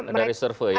dari survei ya